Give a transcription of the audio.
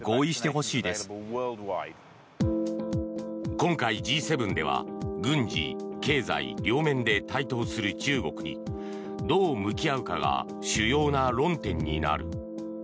今回、Ｇ７では軍事、経済両面で台頭する中国にどう向き合うかが主要な論点になる。